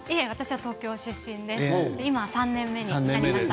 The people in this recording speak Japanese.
東京出身で今、３年目になりました。